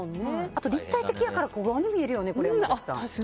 あと、立体的やから小顔に見えるよね。